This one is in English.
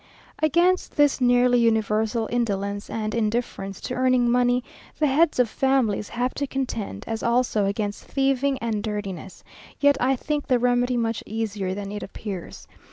Against this nearly universal indolence and indifference to earning money, the heads of families have to contend; as also against thieving and dirtiness; yet I think the remedy much easier than it appears.